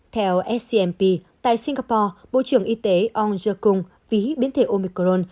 theo scmp tại singapore bộ trưởng y tế ong je kung ví biến thể omicron